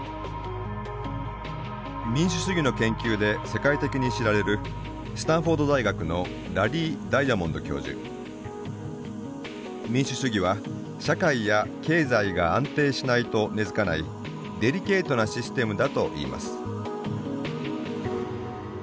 民主主義の研究で世界的に知られる民主主義は社会や経済が安定しないと根づかないデリケートなシステムだと言います。